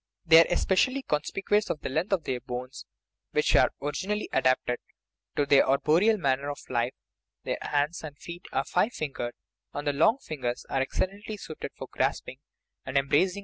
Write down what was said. They are especially con spicuous for the length of their bones, which were orig inally adapted to their arboreal manner of life. Their hands and feet are five fingered, and the long fingers are excellently suited for grasping and embracing the * Systematische Phylogenie, 1896, part iii.